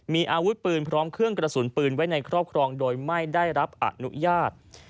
มีอาวุธปืนพร้อมเครื่องกระสุนปืนไว้ในครอบครองโดยไม่ได้รับอนุญาต